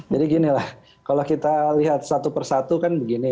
jadi gini lah kalau kita lihat satu persatu kan begini